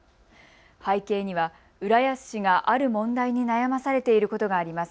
背景には浦安市がある問題に悩まされていることがあります。